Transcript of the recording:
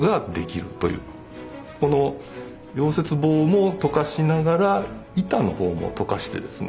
この溶接棒も溶かしながら板の方も溶かしてですね